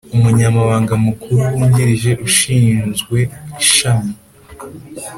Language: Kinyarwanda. umunyamabanga mukuru wungirije ushinzwe ishami